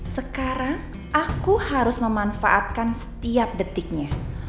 sekarang aku harus memanfaatkan setiap detiknya